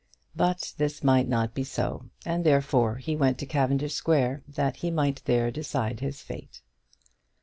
But this might not be so, and therefore he went to Cavendish Square that he might there decide his fate.